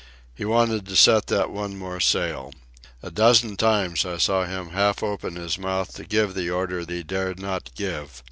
He wanted to set that one more sail. A dozen times I saw him half open his mouth to give the order he dared not give.